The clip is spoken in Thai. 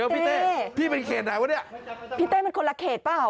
พี่เต้พี่เป็นเขตไหนวะเนี่ยพี่เต้มันคนละเขตเปล่า